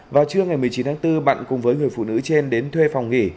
vào trưa ngày một mươi chín tháng bốn bạn cùng với người phụ nữ trên đến thuê phòng nghỉ